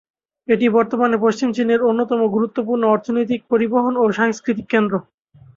এটি বর্তমানে পশ্চিম চীনের অন্যতম গুরুত্বপূর্ণ অর্থনৈতিক, পরিবহন ও সাংস্কৃতিক কেন্দ্র।